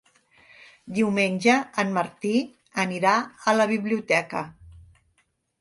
Diumenge en Martí anirà a la biblioteca.